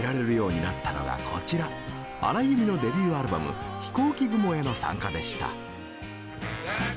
荒井由実のデビューアルバム「ひこうき雲」への参加でした。